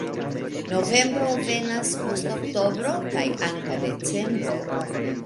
Novembro venas post oktobro kaj antaŭ decembro.